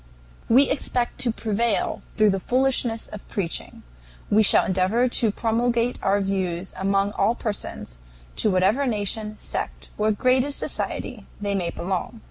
"We expect to prevail through the Foolishness of Preaching. We shall endeavor to promulgate our views among all persons, to whatever nation, sect, or grade of society they may belong.